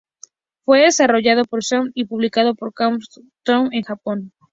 Fue desarrollado por Shade y publicado por Kadokawa Shoten en Japón.